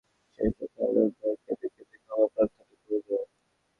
শেষ রাতে আল্লাহর ভয়ে কেঁদে কেঁদে ক্ষমা প্রার্থনা করতেন।